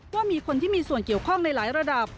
ว่ามีคนที่มีส่วนเกี่ยวข้องในหลายระดับ